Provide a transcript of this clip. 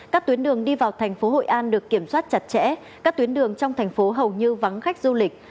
các tuyến đường đi vào thành phố hội an được kiểm soát chặt chẽ các tuyến đường trong thành phố hầu như vắng khách du lịch